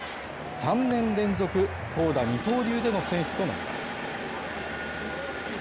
３年連続投打二刀流での選出となります。